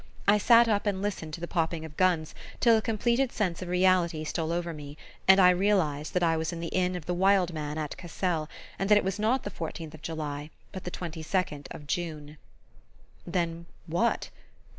I sat up and listened to the popping of guns till a completed sense of reality stole over me, and I realized that I was in the inn of the Wild Man at Cassel, and that it was not the fourteenth of July but the twenty second of June. Then, what